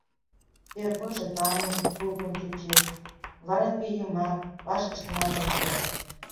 Первойжо тамлын-тутлын чучеш, вара пӱй йыма, ваш ыштенат ом керт.